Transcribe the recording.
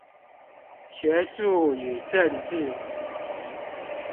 學術與政治